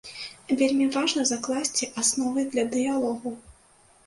Вельмі важна закласці асновы для дыялогу.